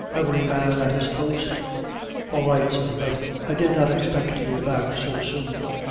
every man at his post?" "All right, sir; but I did not expect you back so soon.